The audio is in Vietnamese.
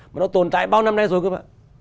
mà nó tồn tại bao năm nay rồi các bạn